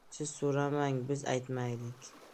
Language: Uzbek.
— Siz so‘ramang, biz aytmaylik!